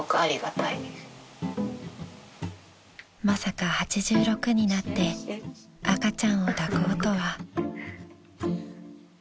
［まさか８６になって赤ちゃんを抱こうとは］